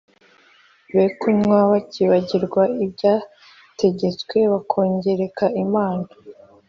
Be kunywa bakibagirwa ibyategetswe, bakagoreka imanza